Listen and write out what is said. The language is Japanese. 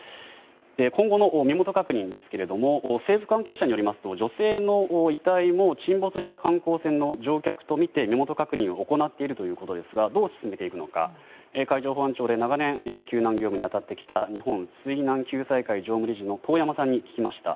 今後の身元確認ですが政府関係者によりますと女性の遺体も沈没した観光船の乗客とみて身元確認を行っているということですがどう進めていくのか海上保安庁で長年救難業務に当たってきた日本水難救済会常務理事の遠山さんに聞きました。